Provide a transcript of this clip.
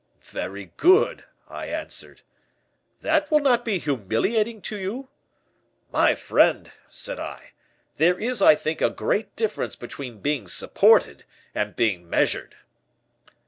"'Very good,' I answered. "'That will not be humiliating to you?' "'My friend,' said I, 'there is, I think, a great difference between being supported and being measured.